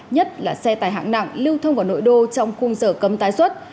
nhất là xe tải hạng nặng lưu thông vào nội đô trong khung sở cấm tái xuất